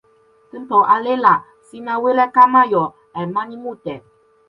tenpo ale la sina wile kama jo e mani mute.